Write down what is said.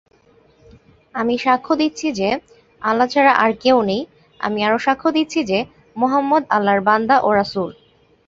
আমি সাক্ষ্য দিচ্ছি যে, আল্লাহ ছাড়া আর কেউ নেই, আমি আরও সাক্ষ্য দিচ্ছি যে, মুহাম্মাদ আল্লাহর বান্দা এবং রাসুল।